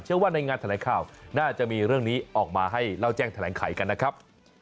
ว่าในงานแถลงข่าวน่าจะมีเรื่องนี้ออกมาให้เล่าแจ้งแถลงไขกันนะครับ